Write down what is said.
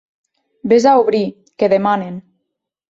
Ves a obrir, que demanen.